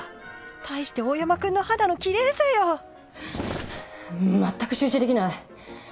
対して大山くんの肌の綺麗さよ。全く集中できない。